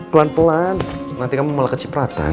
pelan pelan nanti kamu malah kecepratan